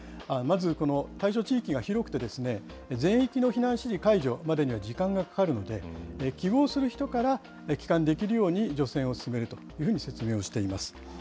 まず、この対象地域が広くて、全域の避難指示解除までには時間がかかるので、希望する人から帰還できるように、除染を進めるというふうに説明をしています。